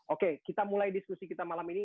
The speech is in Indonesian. oke kita mulai diskusi kita malam ini